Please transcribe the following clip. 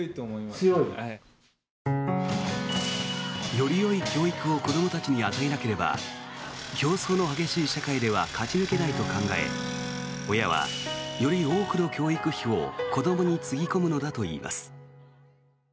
よりよい教育を子どもたちに与えなければ競争の激しい社会では勝ち抜けないと考え親はより多くの教育費を子どもにつぎ込むのだといいます。